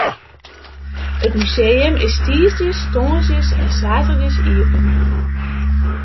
It museum is tiisdeis, tongersdeis en saterdeis iepen.